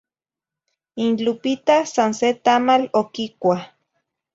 In Lupita san se tamal oquicuah.